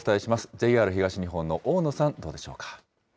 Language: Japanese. ＪＲ東日本の大野さん、どうでしょうか。